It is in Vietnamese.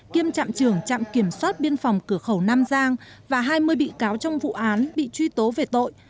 kiêm trạm trưởng trạm kiểm soát biên phòng cửa khẩu nam giang và hai mươi bị cáo trong vụ án bị truy tố về tội